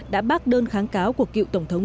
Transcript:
đã bác đơn kháng cáo của cựu tổng thống